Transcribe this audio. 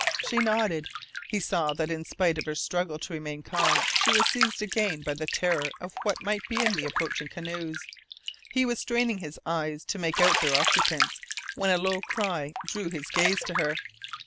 She nodded. He saw that in spite of her struggle to remain calm she was seized again by the terror of what might be in the approaching canoes. He was straining his eyes to make out their occupants when a low cry drew his gaze to her.